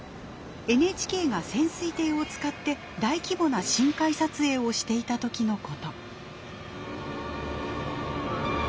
ＮＨＫが潜水艇を使って大規模な深海撮影をしていた時のこと。